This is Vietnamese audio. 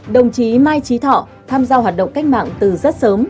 đồng chí mai trí thọ tham gia hoạt động cách mạng từ rất sớm